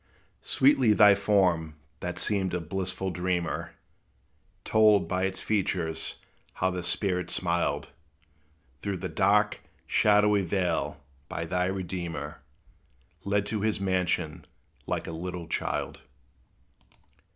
Sweetly thy form, that seemed a blissful dreamer, Told, by its features, how the spirit smiled, Through the dark, shadowy vale, by thy Redeemer Led to his mansion, like a little child.